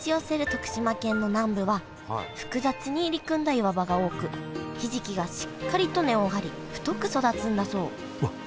徳島県の南部は複雑に入り組んだ岩場が多くひじきがしっかりと根を張り太く育つんだそううわっ